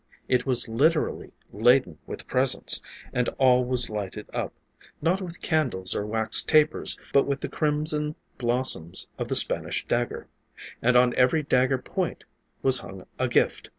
It was literally laden with presents, and all was lighted up, not with candles or wax tapers, but with the crimson blossoms of the Spanish dagger. On every dagger point was hung a gift.